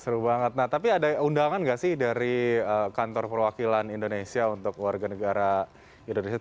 seru banget nah tapi ada undangan nggak sih dari kantor perwakilan indonesia untuk warga negara indonesia